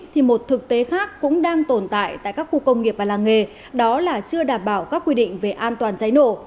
thì một thực tế khác cũng đang tồn tại tại các khu công nghiệp và làng nghề đó là chưa đảm bảo các quy định về an toàn cháy nổ